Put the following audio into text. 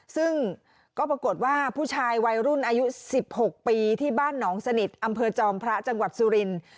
ซึ่งก็ปรากฏว่าผู้ชายวัยรุ่นอายุ๑๖ปีที่บ้านหนองสนิทอำเภอจอมพระจังหวัดสุรินทร์